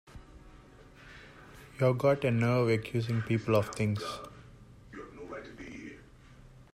You've got a nerve accusing people of things!